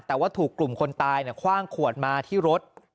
แต่ว่าถูกกลุ่มคนตายคว่างขวดมาที่รถ